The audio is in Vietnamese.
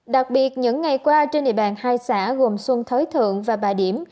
đặc biệt những ngày qua trên địa bàn hai xã gồm xuân thới thượng và bà điểm